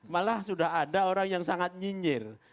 malah sudah ada orang yang sangat nyinyir